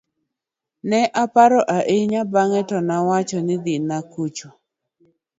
ne oparo ahinya bang'e to nowacho ni dhina kucha